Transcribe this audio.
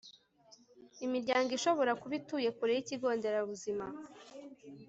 imiryango ishobora kuba ituye kure y'ikigo nderabuzima